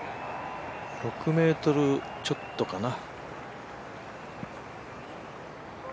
６ｍちょっとかな。